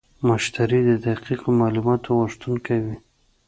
مشتری د دقیقو معلوماتو غوښتونکی وي.